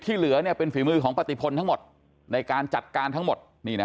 เหลือเป็นฝีมือของปฏิพลทั้งหมดในการจัดการทั้งหมด